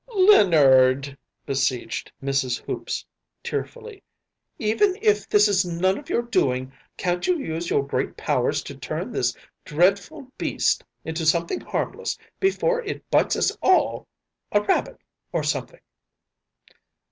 ‚ÄúLeonard,‚ÄĚ beseeched Mrs. Hoops tearfully, “even if this is none of your doing can’t you use your great powers to turn this dreadful beast into something harmless before it bites us all‚ÄĒa rabbit or something?